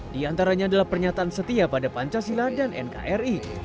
di antaranya adalah pernyataan setia pada pancasila dan nkri